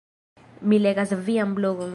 Mi legas vian blogon